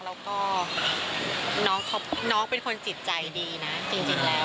แล้วก็น้องเขาน้องเป็นคนจิตใจดีนะจริงจริงแล้ว